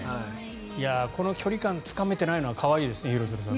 この距離感つかめていないのは可愛いですね、廣津留さん。